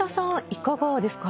いかがですか？